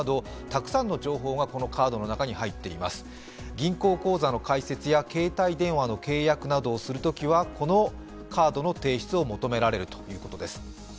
銀行口座の開設や携帯電話の契約をするときはこのカードの提出を求められるということです。